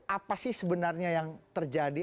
apa sih sebenarnya yang terjadi